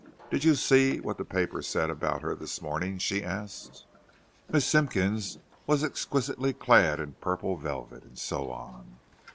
"Did you see what the paper said about her this morning?" she asked. "'Miss Simpkins was exquisitely clad in purple velvet,' and so on!